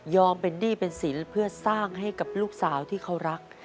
เป็นหนี้เป็นสินเพื่อสร้างให้กับลูกสาวที่เขารัก